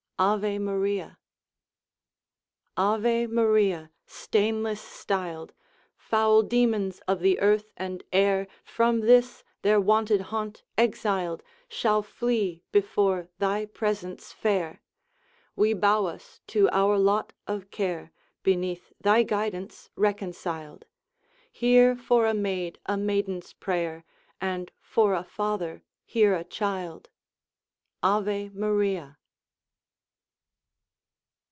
Ave Maria! Ave. Maria! stainless styled! Foul demons of the earth and air, From this their wonted haunt exiled, Shall flee before thy presence fair. We bow us to our lot of care, Beneath thy guidance reconciled: Hear for a maid a maiden's prayer, And for a father hear a child! Ave Maria!